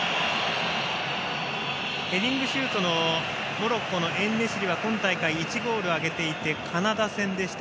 ヘディングシュートのモロッコのエンネシリは１ゴール挙げていてカナダ戦でした。